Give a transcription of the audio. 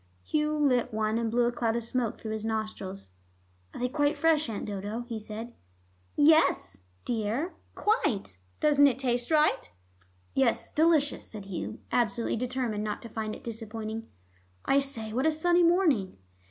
Hugh lit one, and blew a cloud of smoke through his nostrils. "Are they quite fresh, Aunt Dodo?" he said. "Yes, dear, quite. Doesn't it taste right?" "Yes, delicious," said Hugh, absolutely determined not to find it disappointing. "I say, what a sunny morning!"